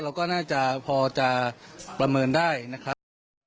เราก็น่าจะพอจะประเมินได้นะครับ